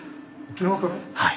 はい。